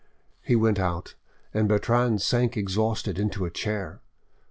He went out, and Bertrande sank exhausted into a chair.